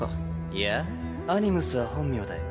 いやアニムスは本名だよ。